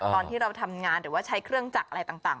ตอนที่เราทำงานหรือว่าใช้เครื่องจักรอะไรต่าง